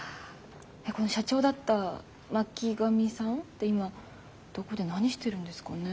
この社長だった巻上さんって今どこで何してるんですかね。